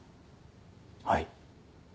はい。